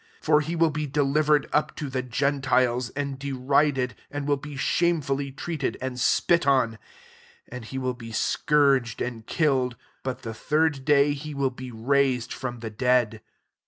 32 For he will be deliver* ed up to the Gentiles, and de« rided, and will be shamefully treated, and spit on : 33 and he will be scourged and killed; but the third day he will be raised from the dead.